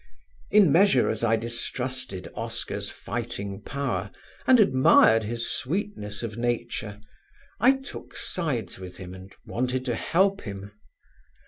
In measure as I distrusted Oscar's fighting power and admired his sweetness of nature I took sides with him and wanted to help him.